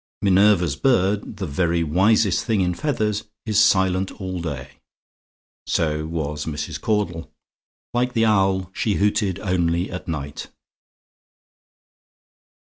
Minerva's bird, the very wisest thing in feathers, is silent all the day. So was Mrs. Caudle. Like the owl, she hooted only at night.